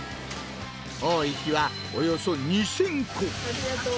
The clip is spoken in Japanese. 多い日はおよそ２０００個。